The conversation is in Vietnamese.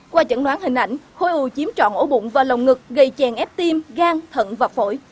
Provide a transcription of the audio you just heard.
qua chẩn đoán hình ảnh khối u chiếm trọn ổ bụng và lồng ngực gây chèn ép tim gan thận và phổi